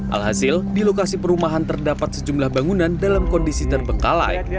alhasil di lokasi perumahan terdapat sejumlah bangunan dalam kondisi terbengkalai